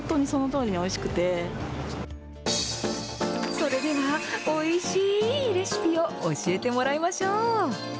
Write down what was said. それではおいしーいレシピを教えてもらいましょう。